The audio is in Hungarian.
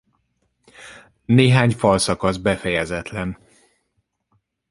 Néhány falszakasz befejezetlen.